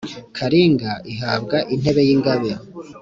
Kalinga ihabwa intebe y’ingabe